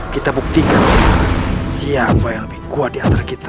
kita buktikan siapa yang lebih kuat di antara kita